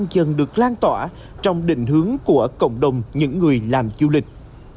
là tín hiệu ấy đang dần được lan tỏa trong định hướng của cộng đồng những người làm du lịch